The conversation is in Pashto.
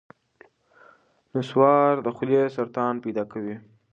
نسوار د خولې سرطان پیدا کوي.